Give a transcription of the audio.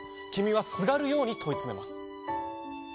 きみはすがるようにといつめます。